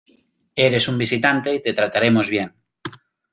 Eres un visitante y te trataremos bien.